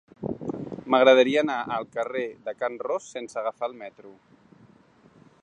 M'agradaria anar al carrer de Can Ros sense agafar el metro.